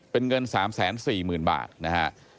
เป็นเงิน๓๔๐๐๐บาทนะฮะ